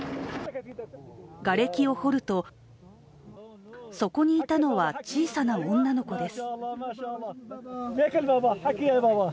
がれきを掘るとそこにいたのは小さな女の子です。